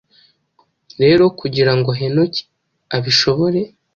Rero, kugira ngo Henoki abishobore